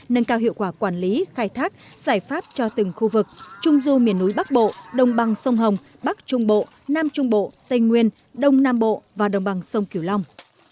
nâng cao hiệu quả quản lý khai thác giải pháp cho từng khu vực trung du miền núi bắc bộ đồng bằng sông hồng bắc trung bộ nam trung bộ tây nguyên đông nam bộ và đồng bằng sông kiểu long